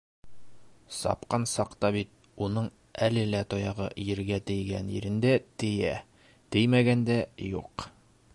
Сапҡан саҡта бит уның әле лә тояғы ергә тейгән ерендә тейә, теймәгәндә - юҡ!